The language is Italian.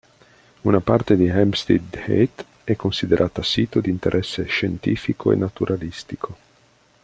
Una parte di Hampstead Heath è considerata sito di interesse scientifico e naturalistico.